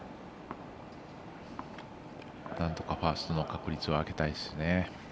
なんとかファーストの確率を上げたいですね。